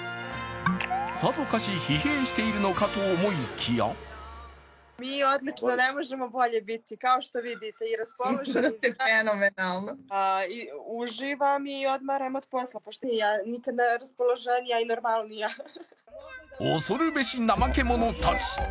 さぞかし疲弊しているのかと思いきや恐るべし怠け者たち。